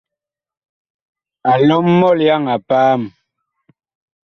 A lɔm mɔlyaŋ a paam.